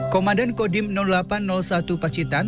komandan kodim delapan ratus satu pacitan